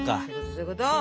そういうこと！